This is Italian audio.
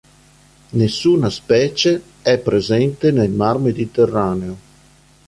Nessuna specie è presente nel mar Mediterraneo.